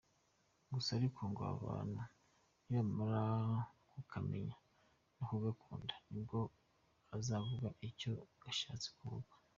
Gusa ariko ngo abantu nibamara kukamenya no kugakunda nibwo azavuga icyo gashatse kuvuga.